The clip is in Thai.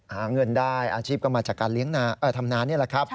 หาเงินได้อาชีพก็มาจากการทำนานี่แหละครับ